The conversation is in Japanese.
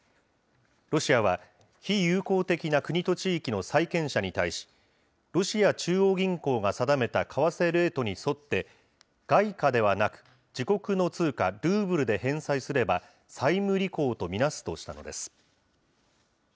ロシアは、非友好的な国と地域の債権者に対し、ロシア中央銀行が定めた為替レートに沿って、外貨ではなく、自国の通貨ルーブルで返済すれば、債務履行と見なすとしたのです。